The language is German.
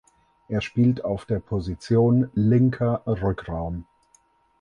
Er spielt auf der Position linker Rückraum.